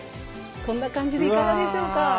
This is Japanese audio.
こんな感じでいかがでしょうか？